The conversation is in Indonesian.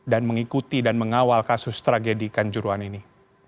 dan mengikuti dan mengawal kasus tragedi kanjuruan ini